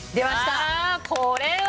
あこれは。